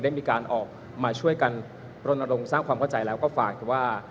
ได้มีการออกมาช่วยกันรณรงค์สร้างความเข้าใจแล้วก็ฝากคือว่า